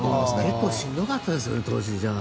結構しんどかったですよね。